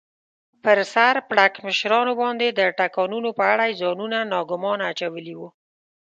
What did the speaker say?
پر سر پړکمشرانو باندې د ټکانونو په اړه یې ځانونه ناګومانه اچولي و.